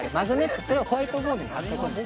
それをホワイトボードに貼っとくんです